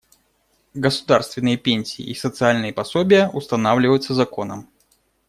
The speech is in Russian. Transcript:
Государственные пенсии и социальные пособия устанавливаются законом.